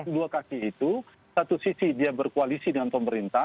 dua kaki itu satu sisi dia berkoalisi dengan pemerintah